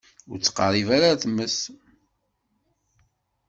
Ur ttqeṛṛib ara ar tmes.